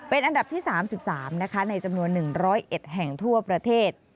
เป็นอันดับที่๓๓นะคะในจำนวน๑๐๑แห่งทั่วประเทศ